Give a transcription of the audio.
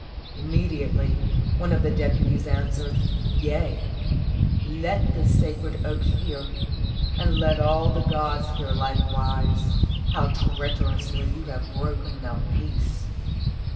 Immediately one of the deputies answered, '*Yea, let this sacred oak hear, and let all the gods hear Hkewise, how treacherously you have broken the peace